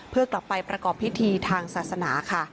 เพื่อกลับไปประกอบพิธีทางศาสนาค่ะ